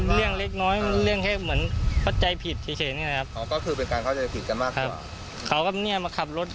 มันเรื่องเล็กน้อยมันเรื่องแค่เหมือนว่าใจผิดเฉยนี่แหละครับ